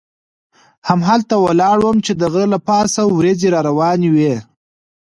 همالته ولاړ وم چې د غره له پاسه وریځې را روانې وې.